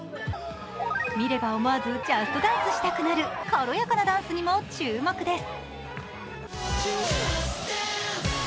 見れば思わず「ＪＵＳＴＤＡＮＣＥ！」したくなる軽やかなダンスにも注目です。